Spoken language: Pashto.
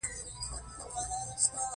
هر اپشن مراتبي سلسلو سره سازګاره دی.